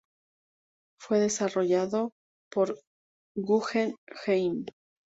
Fue desarrollado por Guggenheim.